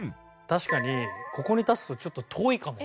確かにここに立つとちょっと遠いかも。